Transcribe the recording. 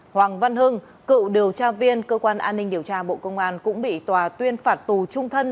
hoàng văn hưng cựu điều tra viên cơ quan an ninh điều tra bộ công an cũng bị tòa tuyên phạt tù trung thân